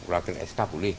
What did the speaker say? lagi sk boleh